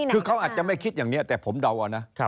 คือเขาอาจจะไม่คิดอย่างนี้แต่ผมเดาเอานะ